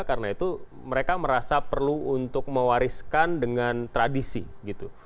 karena itu mereka merasa perlu untuk mewariskan dengan tradisi gitu